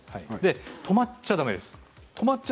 止まっちゃだめです。